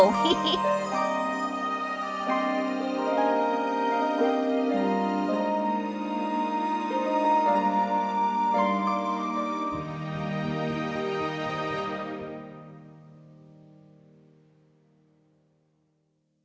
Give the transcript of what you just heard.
kau akan menemani saya